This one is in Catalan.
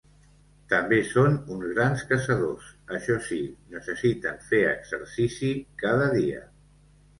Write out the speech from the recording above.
També són uns grans caçadors, això si, necessiten fer exercici cada dia.